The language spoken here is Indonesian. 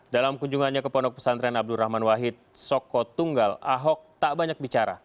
dalam kunjungannya ke pondok pesantren abdurrahman wahid soko tunggal ahok tak banyak bicara